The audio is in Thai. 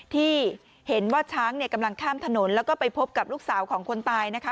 ที่เห็นว่าช้างเนี่ยกำลังข้ามถนนแล้วก็ไปพบกับลูกสาวของคนตายนะคะ